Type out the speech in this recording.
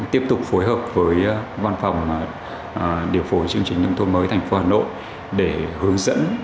tiếp tục phối hợp với văn phòng điều phối chương trình nông thôn mới thành phố hà nội để hướng dẫn